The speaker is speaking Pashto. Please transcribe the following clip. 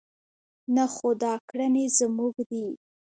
نه خو دا کړنې زموږ دي.